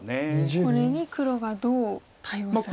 これに黒がどう対応するか。